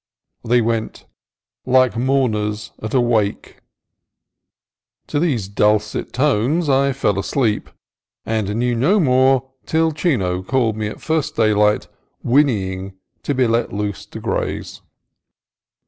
Och 0 0 o onel Och o o o o o one ! they went, like mourn ers at a wake. To these dulcet sounds I fell asleep, and knew no more until Chino called me at first daylight, whinnying to be let loose to graze.